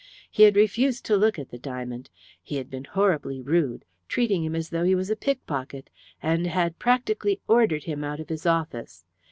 He had refused to look at the diamond. He had been horribly rude, treating him as though he was a pickpocket, and had practically ordered him out of his office.